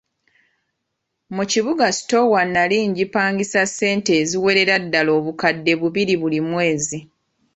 Mu kibuga sitoowa nnali ngipangisa ssente eziwerera ddala obukadde bubiri buli mwezi.